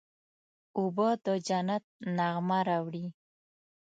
اوبه د جنت نغمه راوړي.